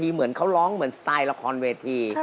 เหมือนสไตล์ละครเวที